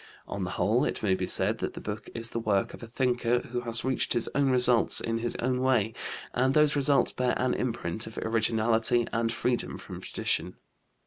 On the whole, it may be said that the book is the work of a thinker who has reached his own results in his own way, and those results bear an imprint of originality and freedom from tradition.